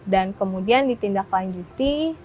dan kemudian ditindak lanjuti